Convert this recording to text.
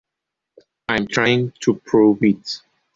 I'm trying to prove it.